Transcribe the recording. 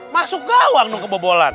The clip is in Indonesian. masuk ga uang dong kebobolan